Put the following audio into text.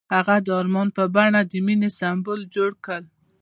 هغه د آرمان په بڼه د مینې سمبول جوړ کړ.